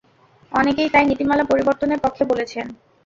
অনেকেই তাই নীতিমালা পরিবর্তনের পক্ষে বলেছেন।